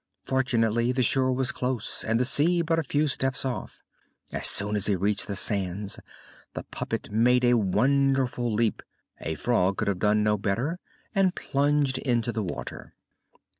Fortunately the shore was close and the sea but a few steps off. As soon as he reached the sands the puppet made a wonderful leap a frog could have done no better and plunged into the water.